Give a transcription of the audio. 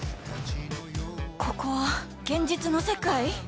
ここは現実の世界？